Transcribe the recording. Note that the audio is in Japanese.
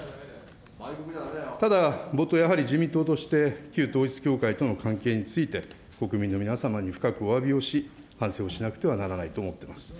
ただ、冒頭、やはり自民党として旧統一教会との関係について、国民の皆様に深くおわびをし、反省をしなくてはならないと思っています。